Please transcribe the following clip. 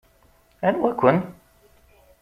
Anwa-ken?